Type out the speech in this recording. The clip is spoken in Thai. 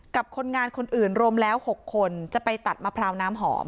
คนงานคนอื่นรวมแล้ว๖คนจะไปตัดมะพร้าวน้ำหอม